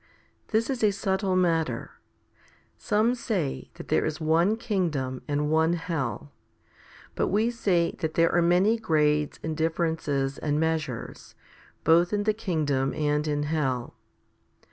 This is a subtle matter. Some say that there is one kingdom and one hell; but we say that there are many grades and differences and measures, both in the kingdom and in hell.